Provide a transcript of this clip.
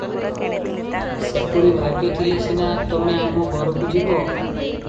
ସେପରି ଭାଗ୍ୟ ଥିଲେ ସିନା ତମେ ଆମ ଘରକୁ ଯିବ ।